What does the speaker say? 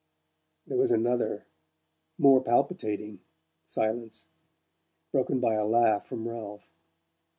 There was another, more palpitating, silence, broken by a laugh from Ralph.